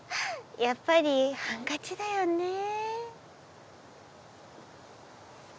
やっぱりハンカチだよねぇ。